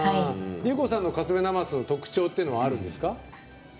祐子さんのカスベなますの特徴っていうのはあるんですか？